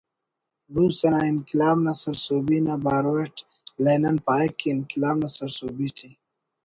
روس انا انقلاب نا سرسہبی نا بارو اٹ لینن پاہک کہ انقلاب نا سرسہبی ٹی